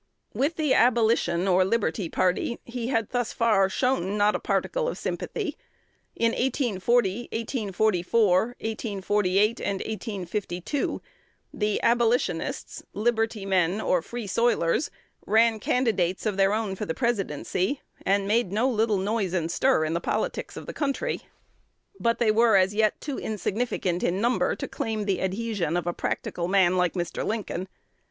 With the Abolition or Liberty party, he had thus far shown not a particle of sympathy. In 1840, 1844, 1848, and 1852, the Abolitionists, Liberty men, or Free Soilers, ran candidates of their own for the Presidency, and made no little noise and stir in the politics of the country; but they were as yet too insignificant in number to claim the adhesion of a practical man like Mr. Lincoln.